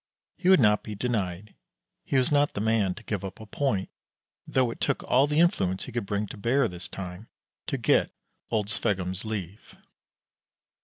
He would not be denied. He was not the man to give up a point, though it took all the influence he could bring to bear, this time, to get old Sveggum's leave.